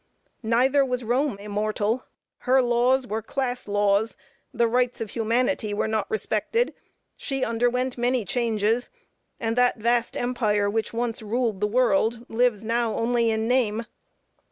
Neither was Rome immortal; her laws were class laws; the rights of humanity were not respected; she underwent many changes, and that vast empire which once ruled the world lives now only in name.